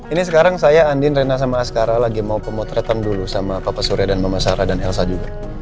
ini sekarang saya andin rena sama askara lagi mau pemotretan dulu sama papa surya dan mama sarah dan elsa juga